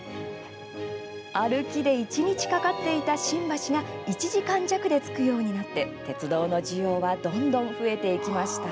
歩きで１日かかっていた新橋が１時間弱で着くようになって鉄道の需要はどんどん増えていきました。